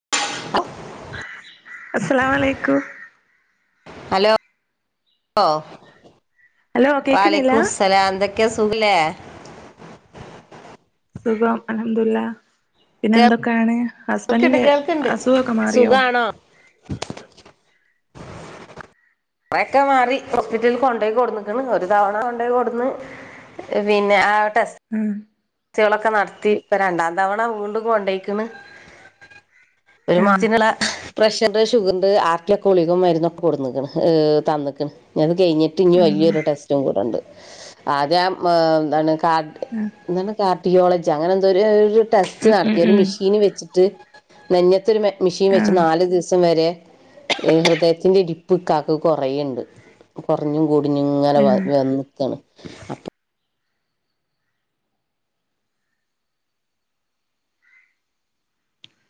[unintelligible] അസ്സലാമു അലൈക്കും hello hello കേക്കുന്നില്ല അലൈക്കുമുസ്സലാം എന്തൊക്കെ ഒക്ക സുഖല്ലേ സുഖം അലഹദുള്ള പിന്നെ എന്തൊക്കെയാണ് കേൾക്കുണ്ട് ഹസ്ബൻറിന്റെ കേൾക്കുണ്ട് അസുഖക്കെ മാറിയോ സുഖാണോ അറൊക്കെ മാറി ഹോസ്പിറ്റലിൽ കൊണ്ടപോയി കൊടുന്നക്കണ് ഒരു തവണ കൊണ്ടപോയി കൊടുന്ന് പിന്നെ ആ ഉം ടെസ്റ്റ് നടത്തി ഇപ്പൊ രണ്ടാം തവണ വൂണ്ടും കൊണ്ടേക്കണ് ഒരു ആഹ് മാസനുള്ള പ്രഷറ്, ഷുഗറ്, ആർട്ടിന്റെ, ഉളിക്കും മരുന്നൊക്കെ കൊടുക്കണ് തന്നിക്കണ് ഞ അത് കഴിഞ്ഞിട്ട് ഇനി ആണോ രു ടെസ്റ്റും കൂടെണ്ട് ആദ്യ എന്താണ് കാഡ് ആഹ് എന്ത കാർട്ടിയോളജി അങ്ങനെ എന്തോ ഒരു ടെസ്റ്റ് ഉം ഉം നടത്തി ഒരു ഉം മെഷീന് വെച്ചിട്ട് നെഞ്ഞത്തൊരു മിഷീൻ വെച്ച് ആഹ് നാല് ദിവസം വരെ ഹൃദയത്തിന്റെ ഇടിപ്പ് കക്ക് കുറെുണ്ട് കുറഞ്ഞും കൂടിഞ്ഞു ഇങ്ങലെ വ ആഹ് വന്നിക്കാണ് അ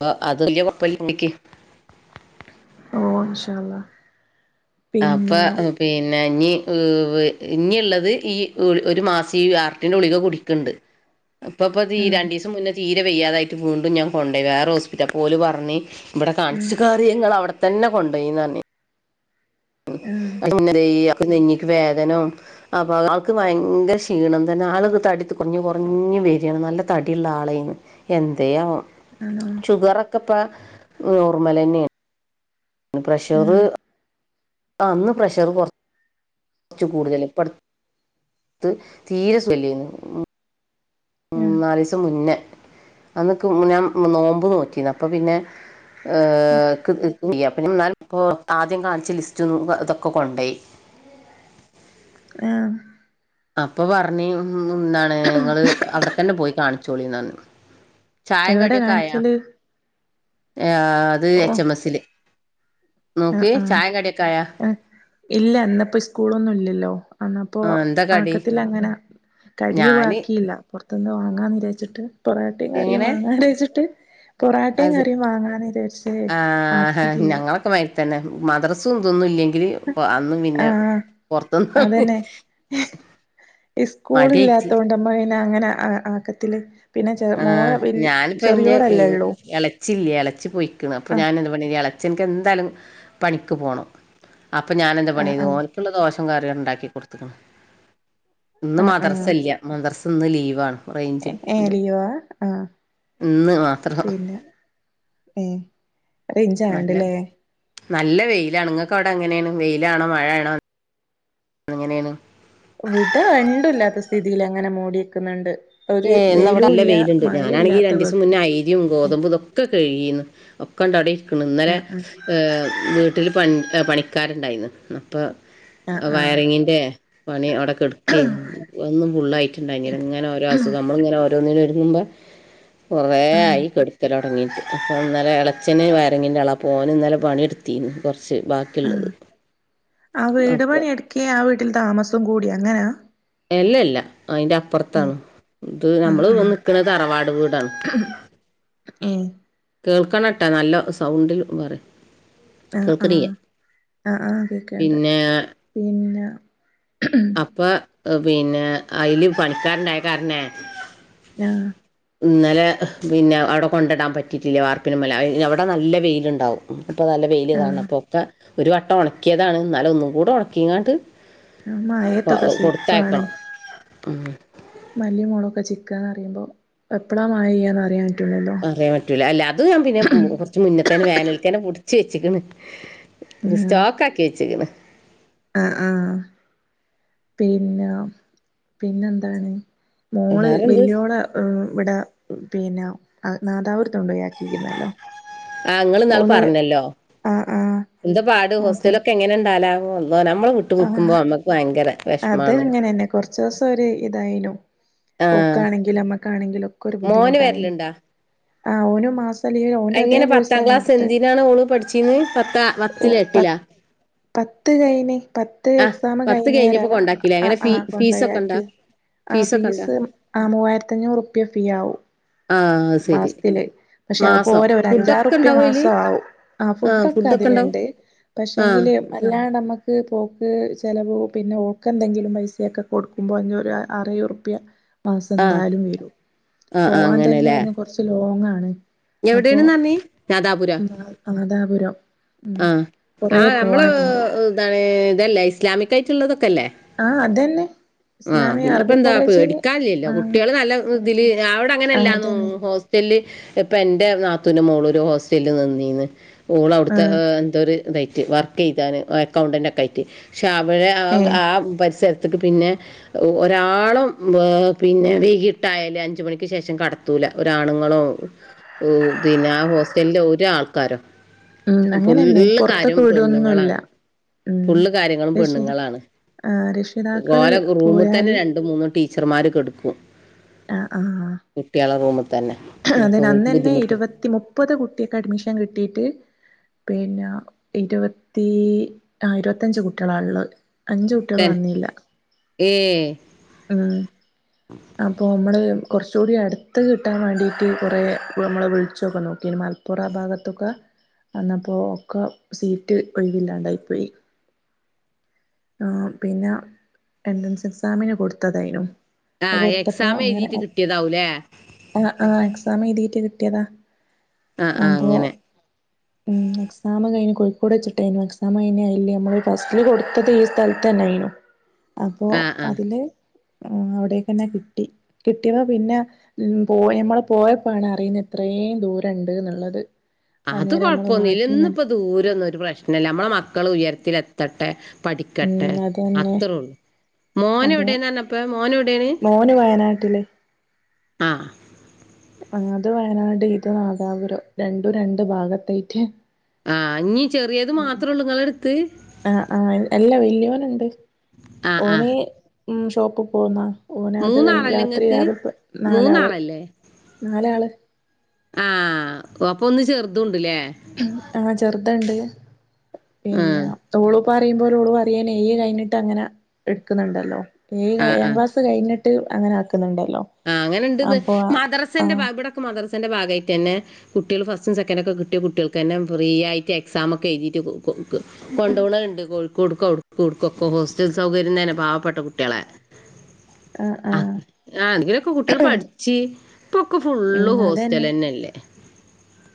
അ അത് വല്യ കൊഴപ്പില്ല ഇക്ക് ഓ ഇൻഷളള അപ്പൊ പിന്നെ പിന്ന ഇനി ് ഇനിുള്ളത് ഈ ഒരു മാസം ഈ ആർട്ടിന്റെ ഉളിക കുടിക്കണ്ട് ഇപ്പ ഇപ്പ തീ രണ്ടു ദിവസം മുന്നേ തീരെ വെയ്യാതായിട്ട് വീണ്ടും ഞാൻ കൊണ്ടേ വേറെ ഹോസ്പിറ്റൽ പോലും പറഞ്ഞഞ് ഇവിടെ ഉം കാണിച്ചി [unintelligible] അവിടെത്തന്നെ കൊണ്ടുപോയിന്ന് പറഞ്ഞ ആഹ് [unintelligible] നെഞ്ഞക്ക് വേദന അപ്പൊ ആക്ക് ഭയങ്കര ക്ഷീണം തന്നെ ആള് തടി കുറഞ്ഞ് വര്യാണ് നല്ല തടിള്ള ആളെനു എന്തേ ആവോ ആണോ ഷുഗറോക്കെ പ്പ നോർമൽ ന്നെയാണ് ന്ന് ആഹ് പ്രഷറ് അ അന്ന് പ്രഷർ കൊറ കുറച്ച് കൂടുതൽ പടുത്ത് തീരെസ്വല്യുന്നു [unintelligible] ആഹ് നാലസം മുന്നേ അന്നൊക്കെ ഞാൻ നോമ്പ് നോറ്റിന്ന് അപ്പ പിന്നെ [unintelligible] പിന്നെ [unintelligible] ആദ്യം കാണിച്ച ലിസ്റ്റ ഇതൊക്കെ കൊണ്ടോയി ആഹ അപ്പൊ പറഞ്ഞ് ഉ ന്നാണ് നിങ്ങള് അവിടെത്തന്നെ പോയി കാണിച്ചോളിന്ന് ചായ എവിടെ കടിയൊക്കയ കാണിക്കല് അത് ഓ എച്ച് എം എസ്ൽ ആഹ് നോക്കി ആഹ് ചായ കടീംആയോ ഇല്ല എന്നപ്പോ സ്കൂളൊന്നും ഇല്ലല്ലോ അന്നപ്പോ ആ, എന്താ കടി ആക്ക ത് ല്ലങ്ങനെങ്ങനെ കടിയ ഞാൻ അക്കിയില്ല പുറത്തുന്ന് വാങ്ങാന്ന് വിജാരച്ചിട്ട് പൊറട്ടയും കാറും വങ്ങാ വിചരേച്ചിട്ട് അതെ ആ ആക്കിട്ടില്ല ഞങ്ങളൊക്കെ മര് തന്നെ പിന്നെ മദ്രസും തൊന്നും ഇല്ലെ ല്അന്നും പിന്നെ ആഹ് പൊറത്ത്ന്ന് ഇസ്കൂള് ഇല്ലാത്തൊണ്ട്മ്മയ്ന് അങ്ങനെ ആക്കത്തില് പിന്നെ ചെ ആ മോളെ വല്യ ഞാനിപ്പന്റെ എ ചെറിയോളല്ലേ ഉള്ളൂ എളച്ചില്ല എളച്ചി പോയിക്ക്ണ് അപ്പൊ ആഹ് ഞാനെന്ത് പണിയ്യും എളച്ചൻ എന്തായാലും പണിക്ക് പോണം അപ്പൊ ഞനെന്താ ആഹ് പണിയ്തു ആഹ് ഓൻക്ക്ള്ള ദോശിംകറിം ഉണ്ടാക്കി കൊട്ത്ത്ക്ക്ണ് ഇന്ന് ആഹ് ആഹ് മദ്രസല്ല മദ്രസ് ഇന്ന് ലീവാണ് റൈഞ്ച് ഏഹ് കിട്ടല്ല ലീവാ ആഹ് ഇന്ന് മാത്രം ഉ റൈഞ്ച നല്ല ആവണ്ടല്ലേ നല്ല വെയിലാണ്ങ്ങക്ക് അവിടെ എങ്ങനെയാണ് വെയിലാണോ മഴയാണോ എങ്ങനെയാണ് വിടെ വണ്ടുല്ലാത്ത സ്ഥിതിയിലങ്ങനെ മൂടിയെക്ക്ന്നുണ്ട് ഏ ന്നവിടെ നല്ല വെയിലുണ്ട് ഞാനാണെങ്കി ഇല്ലാത്ത രണ്ടിസം കോലത്തിൽ മുന്നേ അയ്രി ഗോതമ്പും ഇതൊക്കെ [unintelligible] ഒക്കെണ്ടട ഇര്ക്ക്ണ് ഇന്നലെ ആഹ് ആഹ് [unintelligible] ട്ടിൽ പണി പണിക്കാരുണ്ടായിരുന്നു അപ്പോ ആഹ് ആഹ് വയറിങ്ങിൻ്ന്റെ പണി അവിടെക്കെട്ക്കെനി ഒന്നും ഫുള്ളായിട്ട്ണ്ടായില്ല ഇങ്ങനെ ഓരോ അങ്ങനെ ഓരോന്നിനും ഒരുങ്ങുമ്പോ കൊറേ ആഹ് ആയി കെട്ക്കലൊ ങ്ങീട്ട് അപ്പോ ഇന്നലെ ഇളച്ചന് വയറിങ്ങിന്റെ ആളാ അപ്പോനിന്നലെ പണിട്ത്തിനി കൊറ ച്ച് ബാക്കിള്ളത് ആഹ് ആ വീട് പണി എടുക്കേ ആ വീട്ടിൽ താമസം കൂടി അങ്ങനാ അല്ലല്ല അയിന്റെ ഏഹ് അപ്പൊറത്താണ് ഇത് ആഹ് നമ്മള് ആഹ് നിക്ക്ണത് തറവാട് വീടാണ് ഉം കേൾക്കണട്ടാ നല്ല സൗണ്ടിൽ പറെ ആ ആ ആ ആ കേക്കണ്ട് പിന്നെ പിന്നെ അപ്പൊ പിന്നെ അയില് പണിക്കാരുണ്ടായ കാരണേ ആ ഇന്നലെ പിന്നെ അവിടെ കൊണ്ടിടാൻ പറ്റിയിട്ടില്ല വാർപ്പി മ്മല് അവിടെ നല്ല വെയിലുണ്ടാവും അപ്പൊ നല്ല വെയിയില് കാണണം ആഹ് അപ്പൊ ഒക്കെ ഒരു വട്ടം ഉണക്കിയതാണ് എന്നാലും ഒന്നും കൂടെ ഉണക്കിങ്ങാണ്ട് മയേത്തോക്കെ സുയിപ്പാണ് ആ [unintelligible] റിമ്പോ എപ്പളാ മഴ പെയ്യാന്നറിയ പറയാൻ പറ്റൂല്ല അല്ല അത് ഞാൻ പിന്നെ കൊറച്ച് മുന്നേ അയ്ന് വേനൽക്കനെ പൊടിച്ച് വെച്ചക്കണ് സ്റ്റോക്ക് ആക്കി വെച്ചിക്കണ് ആ ആ പിന്നെ പിന്നെ എന്താണ് മോള് വേറെ എന്ത് വല്യോള ഇവിടെ പിന്നെ നാദാപുര കൊണ്ടാക്കിയിരിക്കുന്നല്ലോ ആ ഇങ്ങള് ഇന്നാള് പറഞ്ഞല്ലോ ആഹ് ആഹ് എന്താ പാട് അപ്പൊ ഹോസ്റ്റലൊക്കെ എങ്ങനെ ഉണ്ടാലാവോ അള്ളോ നമ്മള് വിട്ട് നിക്കുമ്പോ ആഹ് നമ്മക്ക് ഭയങ്കര അത് വിഷമാണ് അങ്ങനന്നെ കൊ റച്ച് ദിവസം ഒരു ഇതായിനു ഓക്ക് ആഹ് ആണെങ്കിലും നമ്മക്കാണെങ്കിലും ഒക്കെ ഒരു മോന് ബുദ്ധിമുട്ടായിനു വരലുണ്ടാ ആ ഓന് മാസം അല്ലേലും ഓന്റെ അതേ എങ്ങനെ കോഴ്സ് പത്താം തന്നേ ക്ലാസ് എടുത്തേ എന്തിനാണ് ഓള് പഠിച്ചീന്ന് പത്താ ഓ പത്തില് എട്ടിലാ പത്ത് പത്ത് കഴിഞ്ഞ് പത്ത് ആഹ് എക്സാം പത്ത് കഴിഞ്ഞപ്പോ കഴിയനേരാണ് കൊണ്ടാക്കില്ലേ ആ എങ്ങനെ ആ ഫീ ഫീസൊക്കെ ഉണ്ടാ കൊണ്ടെയാക്കിയത് ആ ഫീസൊക്കെ ഉണ്ടാ ഫീസ് ആ മൂവായിരത്തി അഞ്ഞൂറ് റുപ്യ ഫീ ആവും ആഹ് അത് ശരി മാസത്തില് പക്ഷെ അത് മാസം പോരാ ഒരു അഞ്ചാറു ഫുഡൊക്കെ റുപ്പിയ ഉണ്ടാവോ അയില് മാസം ആവും ആ ആഹ് ഫുഡ് ഒക്കെ അ ഫുഡൊക്കെ ഉണ്ടാവും അതിലുണ്ട് ആഹ് പക്ഷെങ്കില്ല് അല്ലാണ്ട് നമ്മക്ക് പോക്ക് ചെലവ് പിന്നെ ഓക്ക് എന്തെങ്കിലും പൈസൊക്കെ കൊടുക്കുമ്പോൾ അഞ്ഞുറു ആറ് ഏഴു റുപ്പിയ മാസം ആഹ് എന്താലും വരും ആഹ് ആഹ് പോവാൻ തന്നെ അങ്ങനെല്ലേ ഇവിടുന്ന് കൊറച്ച് ലോങ്ങാണ് അപ്പൊ എവിടെയാണെന്ന് പറഞ്ഞേ അമൃതാപുരം ആ ആ നമ്മള് ഇതാണ് ഇതല്ലേ ഇസ്ലാമിക്കായി ആ അതന്നെ ആ ഇസ്ലാമിയ അറബി പിന്നെപ്പന്താ കോളേജില് പേടിക്കാൻ ഇല്ലല്ലോ ആ കുട്ടികള് നല്ല ഇതില് പഠിക്ക അവിടെ ആ അങ്ങനെല്ലന്നു അതന്നെ ഹോസ്റ്റ റ്റലില് ഇപ്പ എന്റെ നാത്തൂന്റെ മോള് ഒരു ഹോസ്റ്റലിൽ നിന്നീന്ന് ഓള് അ ആ വിടുത്തെ എന്തൊരു ഇതായിട്ട് വർക്ക് ചെയ്താണ് അക്കൗണ്ടൻറ് ഒക്കെ ആയിട്ട് പക്ഷെ അവടെ ഏ ആ പരിസരത്ത ത്തേക്ക് പിന്നെ ഒരാളും പിന്നെ വൈകിട്ടായാല് അഞ്ചു മണിക്ക് ശേഷം കടൂത്തൂലാ ഒരാണുങ്ങളോ പിന്നെ ആ ഹോസ്റ്റലിലെ ഒരു ആൾക്കാരോ ഉം അങ്ങനെന്നെ ഫുള്ള് കാര്യം പൊറത്തൊക്കെ വിടൊന്നുല്ല പെണ്ണുങ്ങളാണ് ഉം ഫുള്ള് കാര്യങ്ങളും രക്ഷിത പെണ്ണുങ്ങളാണ് ആഹ് രക്ഷിതാക്കള് ഓലെ റൂമിൽ തന്നെ പോയാല് രണ്ട് മൂന്നും ടീ ടീച്ചർമാര് കെടുക്കും ആഹ് ആഹ് കുട്ടികളടെ റൂമിൽ തന്നെ പിന്നെപ്പോ അതന്നെ ഓൽക്ക് അന്നന്നെ ബുദ്ധിമുട്ടും ഇരുപത്തി മുപ്പത് കുട്ടികക്ക് അഡ്മിഷൻ കിട്ടിട്ട് പിന്നെ ഇരുപത്തി ആ ഇരുപത്തിയഞ്ച് കുട്ടികളാ ഉള്ളത് അഞ്ച് കുട്ടികള് ടെൻ വന്നില്ല ഏ ഉം അപ്പൊ നമ്മള് കൊറച്ചുകൂടി അടുത്ത് കിട്ടാൻ വേണ്ടിയിട്ട് കൊറേ നമ്മള് വിളിച്ചൊക്കെ നോക്കി മലപ്പുറ ഭാഗത്തൊക്കെ അന്നപ്പോ ഒക്കെ സീറ്റ് ഒഴിവില്ലാണ്ടായി പോയി ആ പിന്നെ എൻട്രൻസ് എക്സാമിന് കൊടുത്തതായിന്നു ആ അത് കൊടുത്തപ്പോ എക്സാം അങ്ങനെ എഴുതിയിട്ട് കിട്ടിയതാവൂലേ എക്സാം എഴുതിയിട്ട് കിട്ടിയതാ ആ ആ അപ്പോ അങ്ങനെ മം എക്സാം കഴിഞ്ഞു കോഴിക്കോട് വെച്ചിട്ടായിന്നു എക്സാം അയിനിയില്ലേ നമ്മള് ഹോസ്റ്റല് കൊടുത്തത് ഈ സ്ഥലത്ത് തന്നെയായിന്നു അപ്പോ ആ ആ അതില് ആ അവിടേക്കന്നെ കിട്ടി കിട്ടിയപ്പോ പിന്നെ പോയി ഞമ്മള് പോയപ്പോണ് അറിയുന്നത് ഇത്രയും യും ദൂരം ഉണ്ട് എന്നുള്ളത് അത് അന്നേരം നമ്മള് കൊഴപ്പംഒന്നും ഇല്ല മാറ്റി ഇന്നിപ്പോ ദൂരമൊന്നും ഒരു പ്രശ്നല്ല നമ്മടെ മക്കൾ ഉയരത്തിലെത്തട്ടെ പഠിക്കട്ടെ ഉം അതന്നെ അത്രേ ഉള്ളൂ മോന് എ അതെ വിടെന്ന് ആന്നാപ്പോ മോന് എവി മോന് വയനാട്ടില് ആ അത് വയനാട് ഇത് നാദാപുരം രണ്ടും രണ്ടു ഭാഗത്തേക്ക് ആഞ്ഞ് ആ ആ എല്ലാ വെല്യയവർ ക്കുമുണ്ട് ആ ആ ഓനെ മം ഷോപ്പിൽ പോകുന്നാ ഓനാ അത് കഴിഞ്ഞ് മൂന്നാളല്ലേ രാത്രി നിങ്ങക്ക് രാവിലെ നാലാള് മൂന്നാളല്ലേ നാലാള് ആ അപ്പം ഒന്ന് ചെറുതുംഉണ്ട ല്ലേ ആ ചെറുതൊണ്ട് പിന്നെ ആഹ് ഓളു ഉപ്പാ പറയുമ്പോല് ഓള് പറയുവാണെ [unintelligible] കഴിഞ്ഞിട്ട് അങ്ങനെ എടുക്കുന്നുണ്ടല്ലോ ഈ ആഹ് ഏഴാം ക്ലാസ് കഴിഞ്ഞിട്ട് ഞ്ഞിട്ട് അങ്ങനെആക്കാം ആ അങ്ങനെണ്ട്ന്ന് മദ്രസന്റെ ആഹ് ഇവിടൊക്കെ മദ്രസ ത്തൻ്റെ ഭാഗമായിട്ട് തന്നെ കുട്ടികള് ഫസ്റ്റും സെക്കൻഡൊക്ക കിട്ട്യ കുട്ട്യൾക്കെന്നെ ഫ്രീയായ്റ്റ് എക്സാമ് ഒക്കെ എഴുതീറ്റ് കു കൊണ്ടോണവ് ണ്ട് കോഴിക്കോട്ക്കവ്ട്ക്കുവ്ട്ക്കു ഒക്ക ഹോസ്റ്റൽ സൗകര്യം തന്നെ പാവപ്പെട്ട കുട്ട്യളെ ആ ആഹ് ആ അങ്ങിനൊക്കെ കുട്ട്യള് പഠിച്ചി പ്പൊക്കെ ഫുള്ള് ഉം അതന്നെ ഹോസ്റ്റലെന്ന ല്ലേ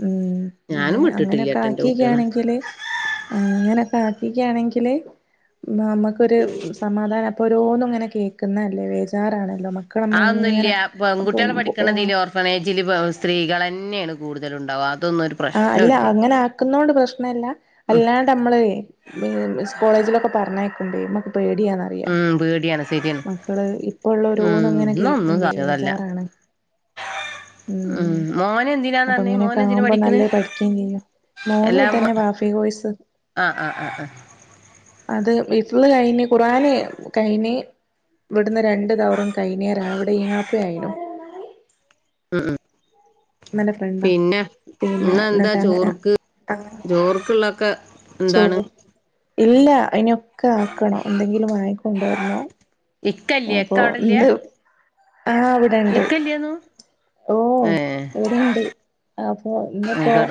ഉം അതെ അങ്ങനൊക്ക വിട്ടിട്ടില്ലട്ടോ ഇന്റെ കുട്ട്യേളെ ആക്കീക്കാണെങ്കില് ആ അങ്ങനൊക്ക ആ ക്കീക്കാണെങ്കില് മ് നമ്മക്കൊരു സമാധാന പ്പൊരോന്നു ങ്ങനെ കേക്കുന്നല്ലേ വേജാറാണ് ആ തൊന്നുല്ല്യ പെൺകുട്ട്യള് പഠിക്കണ തില് ഓർഫനേജില് സ്ത്രീകളെന് ന്നെയെണ് കൂടുതലു ണ്ടാവ ആ ആ അല്ല അങ്ങന ആക്കുന്നോണ്ട് പ്രശ്നല്ല ഉം അല്ലാണ്ട് അമ്മളെ സ് കോളേജിലൊക്കെ പർഞ്ഞയ്ക്കുമ്പേ മ്മക്ക്‌ പേടിയാന്നറിയ ഉം പേടിയാണ് ശരിയാണ് മക്കള് ഉം ഇപ്പള്ളരോന്നും ങ്ങനെ ഇന്നൊന്നും കേക്കുമ്പെ സാക്ഷരതല്ല വേജാറാണ് ഉം മോന് ന്തിനാന്നർഞ്ഞേ മോന് ന്തിന് പഠി നല്ലേ പഠിക്ക്‌യെന്നെയ്നു മോനു തന്നെ വാഫി കോയ്സ് ആഹ് ആഹ് ആഹ് ആഹ് അത് ഹിഫ്ള് കൈന് ഖുറാന് കൈന് വ്ടുന്ന് രണ്ടു കവറും കൈനേര വ്ടെ ഈങ്ങാപ്പുഴ ആയ്നു ഉം ഉം പിന്നെ പിന്നെ ഇന്നെന്താ എന്നിട്ട് അങ്ങനെ ചോർക്ക് അങ്ങനെ ചോർക്ക്‌ള്ളൊക്ക ചോ ന്താണ് ഇല്ല അയ്ന് ഒക്ക ആക്കണോ എന്തെങ്കിലും വാങ്ങിക്കൊണ്ടോര്ണോ ഇക്കല്ലേ അപ്പൊ ഇക്ക അവിടില്ല്യ ന്ത് ആഹ് അവിടെണ്ട് ഇക്കല്ല്യേന്നു ഓ ഏഹ് വ്ടെണ്ട് അപ്പോ ആഹ് ഇന്ന്പ്പോ കെട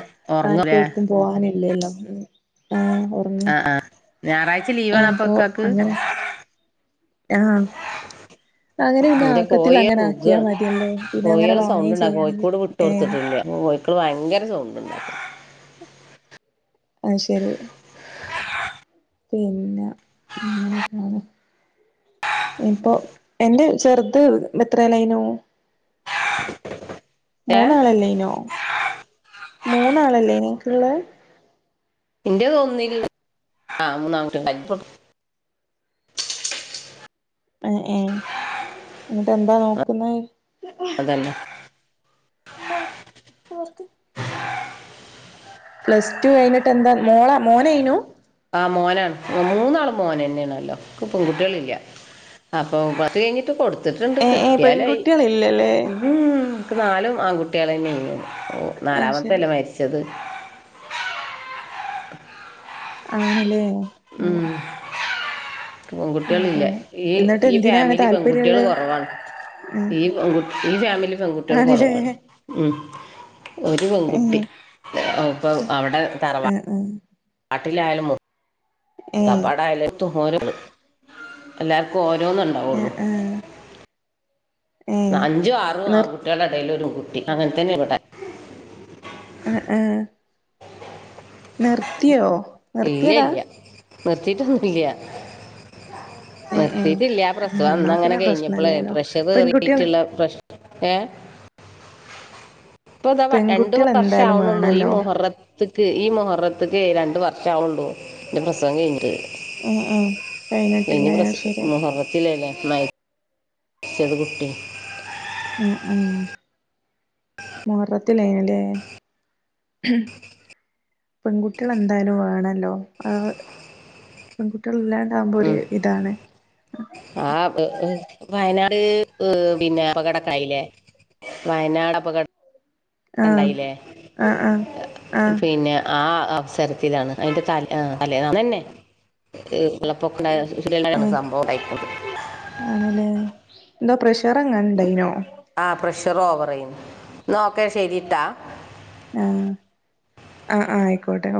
ആര്ക്കും ഒറങ്ങൂലേ ഏട്ക്കും പോവാനിൽ ല്ലല്ലോ ഉം ആ ഒർങ്ങ ആഹ് ഞായറാഴ്ച ഏ ലീവാണ് അപ്പൊ പ്പൊ ഇക്കാക്ക് അങ്ങന ആഹ് അങ്ങനെ പിന്നെ ന്റെ ആക്കത്തിൽ കോയി അങ്ങനെ കൂഗ ആക്കിയാ മതിയല്ലോ പിന്നെ അങ്ങനെ കോയ്യള് സൗണ്ട് വാങ്ങുകയും ഉണ്ടാക്കു ചെയ്യാണെങ്കിൽ കോയ്ക്കൂട് വിട്ട് ഏഹ് കൊട്ത്തിട്ട്ല്ല കോയ്ക്കള് ഭയങ്കര സൗണ്ട്ണ്ടാക്ക ആഹ് ശരി പിന്നെ അങ്ങനെയൊക്കാണ് ഇപ്പൊ എന്റെ ചെറുത് എത്രയലെയ്നു ഏഹ് മൂന്നാളല്ലെയ്നോ മൂന്നാളല്ലേനി ങ്ങ്ക്ക്‌ള്ള എത് ഒന്നിൽ ആഹ് മൂന്നാങ്കുട്ട്യളാ യ്ന്ന് പൊ ആ എ ന്നിട്ട് എന്താ നോക്കുന്നവ് അതല്ല പ്ലസ് ടു കയ്ഞ്ഞിട്ട് എന്താ മോള മോനയ്നു ആ മോനാണ് മൂന്നാളും മോനെന്നെണല്ലോ ക്ക്‌ പെൺകുട്ട്യളില്ല അപ്പൊ പത്ത് കയ്ഞ്ഞിട്ട് കൊടുത്തിട്ട്ണ്ട് ഏഹ് ഏഹ് കിട്ട്യാലായി പെൺകുട്ടികളില്ലല്ലേ ഉം ക്ക് നാലും ആൺകുട്ടികളെന്നെയ്നി ഓ ആഹ് ശരി നാലാമത്തല്ലേ മര്ച്ചത് ആണ്ലേ ഉം പെൺകുട്ട്യള് അപ്പൊ ഇല്ല ഈ എന്നിട്ട് ഈ എന്തിനാണ് ഫാമിലി പെൺകുട്ട്യള് താല്പര്യമുള്ളത് കൊറവാണ് ഈ പൺക് ഈ ഫാമിലി പെൺകുട്ട്യൾ ആണല്ലേ കൊറവാണ് ഉം ഒരു പെൺകുട്ടി ഏഹ് ഒ പ്പൊ അവ്ടെ തറവാ ആഹ് ആഹ് വാട്ടിലായാലും മൊ ത്തപ്പാടായലത്തും ഓരോന്ന് എല്ലാർ ഏഹ് ഓരോന്നിണ്ടാവൊള്ളു ആഹ് ആഹ് ഏഹ് അഞ്ചും ആറും നിർ ആൺകുട്ട്യാളെ എടേലൊര് പെങ്കുട്ടി അങ്ങൻ തന്നെ ഇവിടെ ഉം ഉം നിർത്തിയോ നിർത്തിയതാ നിർത്തീട്ടൊന്നുല്ല ഏഹ് ഏഹ് നിർത്തീട്ടില്ല ആഹ് പ്രസവം എന്നാ അന്നങ്ങനെ പിന്നെ കഴിഞ്ഞപ്പളേ പ്രശ്നല്ലേല്ലോ പ്രഷർ പെൺകുട്ടികൾ കേറീട്ടിള്ള പ്രശ് ഏ ഇപ്പത രണ്ടു പെൺകുട്ടികൾ വർഷം എന്തായാലും ആവ്ണൊള്ളൂ ഈ വേണല്ലോ മുഹറ് ക്ക് ഈ മൊഹറത്തക്ക് രണ്ട് വർഷമാവള്ളൂ എന്റെ പ്രസവം കഴിഞ്ഞിട്ട് ഏഹ് ഏഹ് ഇനി പൈനെട്ടില്ലേ പ്രസ അത് ശരി മൊഹബത്തില്ലല്ലേ ന സദ്ഗുട്ടി അഹ് ആഹ് മൊഹറത്തി ലൈനല്ലേ പെൺകുട്ടികൾ എന്തായാലും വേണല്ലോ ആ പെൺകുട്ടി ഇല്ലാണ്ടാകുമ്പോ ഉം ഒരു ഇതാണ് ആ [unintelligible] വയനാട് ഏ പിന്നെ അപകടക്കായില്ലേ വയനാട് അപകട ആഹ് ഇണ്ടായില്ലേ ആഹ് ആഹ് ആഹ് പിന്നെ ആ അവസര ാണ് അതിന്റെ തല തലേ തന്നെ കൊളപ്പൊക്കെണ്ട [unintelligible] ാണ് ഏഹ് സംഭവം കയിക്കുന്നത് ആണല്ലേ [unintelligible] എന്തോ പ്രഷർ എങ്ങനുണ്ടായിനോ ആ പ്രഷർ ഓവറായിന്ന് നോക്കേ ശരിട്ടാ ആഹ് ആഹ് ആയിക്കോട്ടെ